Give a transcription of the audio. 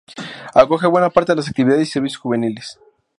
Acoge buena parte de las actividades y servicios juveniles.